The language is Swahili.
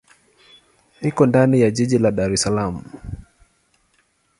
Iko ndani ya jiji la Dar es Salaam.